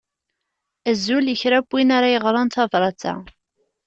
Azul i kra n win ara yeɣren tabrat-a.